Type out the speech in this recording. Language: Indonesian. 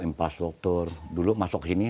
infrastruktur dulu masuk sini